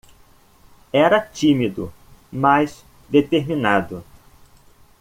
Era tímido, mas determinado